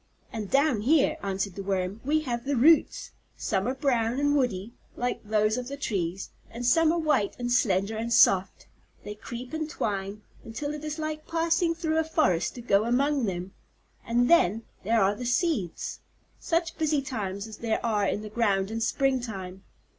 "And down here," answered the Worm, "we have the roots. Some are brown and woody, like those of the trees, and some are white and slender and soft. They creep and twine, until it is like passing through a forest to go among them. And then, there are the seeds. Such busy times as there are in the ground in spring time!